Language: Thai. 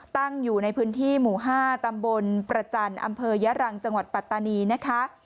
ตั้งอยู่ในพื้นที่หมู่๕ตำบลประจันทร์อำเภอยะรังจังหวัดปัตตานีนะคะ